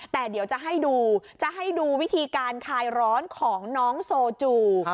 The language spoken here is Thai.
แต่เดี๋ยวจะให้ดูจะให้ดูวิธีการคลายร้อนของน้องโซจู